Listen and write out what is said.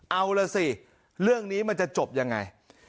เอาล่ะสิเรื่องนี้มันจะจบยังไง